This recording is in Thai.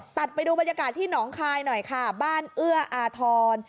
ไปดูบรรยากาศที่หนองคายหน่อยค่ะบ้านเอื้ออาทร